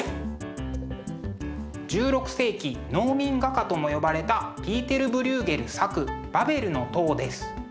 １６世紀農民画家とも呼ばれたピーテル・ブリューゲル作「バベルの塔」です。